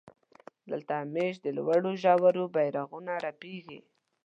دلته همېش د لوړو ژورو بيرغونه رپېږي.